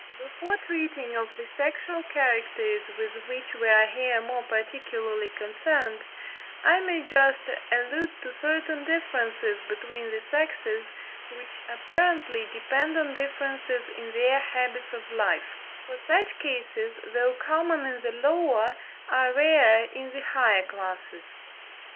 Before treating of the sexual characters with which we are here more particularly concerned, I may just allude to certain differences between the sexes which apparently depend on differences in their habits of life; for such cases, though common in the lower, are rare in the higher classes.